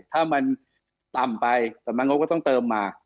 ถ้ามันต่ำไปสำนักงบก็ต้องเติมมา